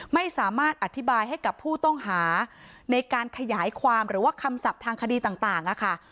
ไม่สามารถอธิบายให้กับผู้ต้องหาในการขยายความหรือว่าคำศัพท์ทางคดีต่างนะคะ